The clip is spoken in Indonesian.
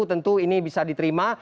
tentu ini bisa diterima